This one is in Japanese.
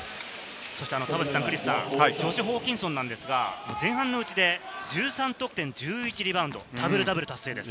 ジョシュ・ホーキンソンですが、前半のうちで１３得点１１リバウンド、ダブルダブル達成です。